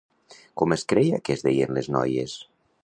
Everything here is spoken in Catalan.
Com es creia que es deien les noies?